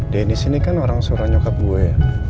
dennis ini kan orang suruh nyokap gue